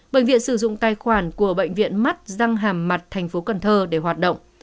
bệnh viện sử dụng tài khoản của bệnh viện mắt răng hàm mặt tp cần thơ để hoạt động